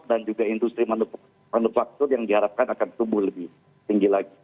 juga industri manufaktur yang diharapkan akan tumbuh lebih tinggi lagi